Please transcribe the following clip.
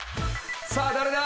さあ誰だ？